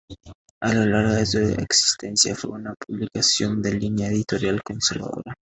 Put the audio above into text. A lo largo de su existencia fue una publicación de línea editorial conservadora.